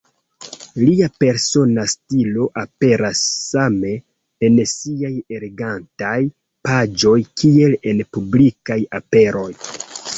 Lia persona stilo aperas same en siaj elegantaj paĝoj kiel en publikaj aperoj.